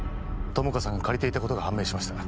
友果さんが借りていたことが判明しました